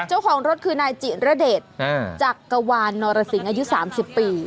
เจ้าของรถคือนายจิระเดชจักรวาลนรสิงอายุ๓๐ปี